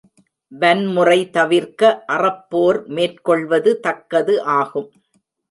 வன்முறை தவிர்க்க அறப்போர் மேற்கொள்வது தக்கது ஆகும்.